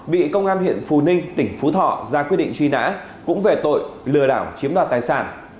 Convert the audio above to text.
bị công an huyện phù ninh tỉnh phú thọ ra quyết định truy nã cũng về tội lừa đảo chiếm đoạt tài sản